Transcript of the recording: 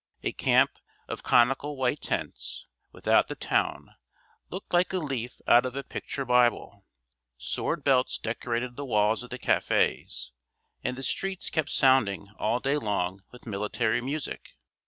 A camp of conical white tents without the town looked like a leaf out of a picture Bible; sword belts decorated the walls of the cafés; and the streets kept sounding all day long with military music.